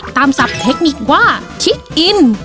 ตามศัพท์เทคนิคว่าคิกอิน